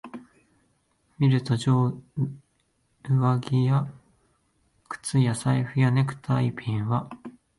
見ると、上着や靴や財布やネクタイピンは、